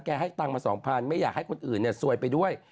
แกให้เงินมา๒๐๐๐ไม่อยากให้คนอื่นเนี่ยซวยไปด้วย